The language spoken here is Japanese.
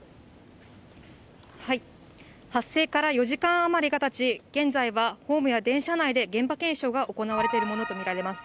発生から４時間余りがたち、現在はホームや電車内で、現場検証が行われているものと見られます。